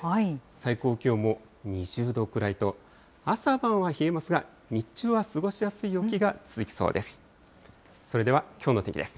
最高気温も２０度くらいと、朝晩は冷えますが、日中は過ごしやすい陽気が続きそうです。